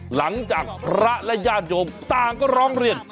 หลังจากพระและญาติโยมต่างก็ร้องเรียน